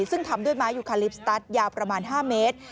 ซึ่งทำด้วยไม้ยูคาลิปสตัสยาวประมาณ๕เมตร